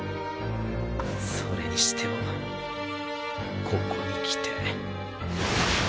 それにしてもここに来て